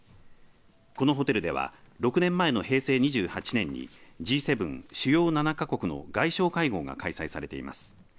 このホテルでは６年前の平成２８年にＧ７、主要７か国の外相会合が開催されています。